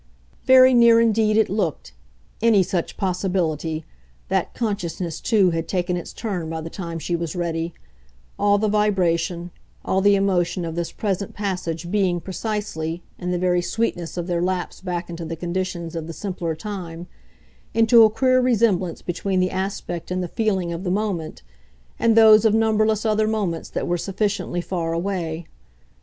Very near indeed it looked, any such possibility! that consciousness, too, had taken its turn by the time she was ready; all the vibration, all the emotion of this present passage being, precisely, in the very sweetness of their lapse back into the conditions of the simpler time, into a queer resemblance between the aspect and the feeling of the moment and those of numberless other moments that were sufficiently far away.